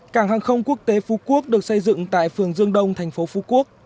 cảng hàng không quốc tế phú quốc được xây dựng tại phường dương đông thành phố phú quốc